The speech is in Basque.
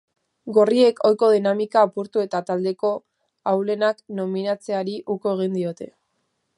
Gorriek ohiko dinamika apurtu eta taldeko ahulenak nominatzeari uko egin diote.